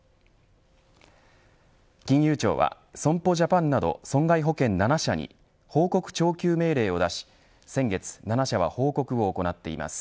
金融庁は、損保ジャパンなど損害保険７社に報告徴求命令を出し先月、７社は報告を行っています。